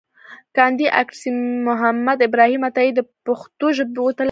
کاندي اکاډميسنمحمد ابراهیم عطایي د پښتو ژبې وتلی خدمتګار و.